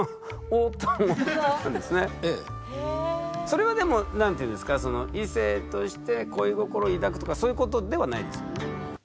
それはでも何ていうんですかその異性として恋心を抱くとかそういうことではないですよね？